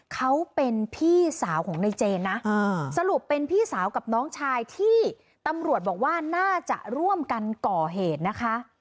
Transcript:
เขาเป็นพี่สาวของในเจนนะสรุปเป็นพี่สาวกับน้องชายที่ตำรวจบอกว่าน่าจะร่วมกันก่อเหตุนะคะ